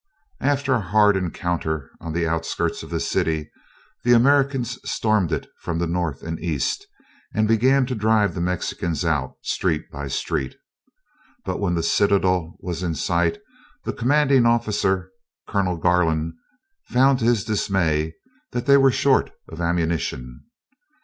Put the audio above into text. After a hard encounter on the outskirts of the city, the Americans stormed it from the north and east, and began to drive the Mexicans out, street by street. But when the citadel was in sight, the commanding officer, Colonel Garland, found to his dismay that they were short of ammunition.